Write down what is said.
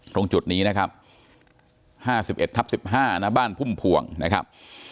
ตรงจุดนี้นะครับ๕๑ทับ๑๕ณบ้านพุ่มพวงนะครับ